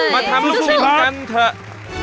มาทำลูกชิ้นกันเถอะ